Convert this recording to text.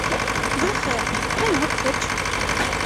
D lxir! Menhu-k kečč?